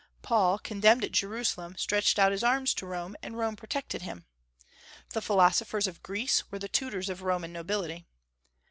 Paul, condemned at Jerusalem, stretched out his arms to Rome, and Rome protected him. The philosophers of Greece were the tutors of Roman nobility.